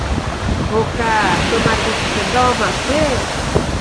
খোকা, তোমার বিচিতে দম আছে!